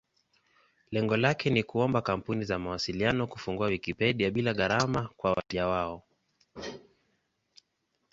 Lengo lake ni kuomba kampuni za mawasiliano kufungua Wikipedia bila gharama kwa wateja wao.